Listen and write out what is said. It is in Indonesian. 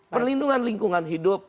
perlindungan lingkungan hidup